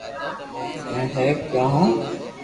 ھين ھاي ڪيو ھون